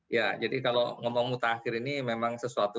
ya jadi kalau ngomong mutakhir ini memang sesuatu